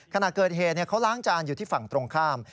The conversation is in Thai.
ถ้าเกิดเฮเนี่ยเค้าร้างจานอยู่ที่ฝั่งตรงข้าม